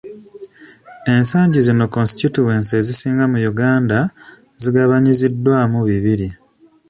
Ensangi zino konsitituwensi ezisinga mu Uganda zigabanyiziddwamu bibiri.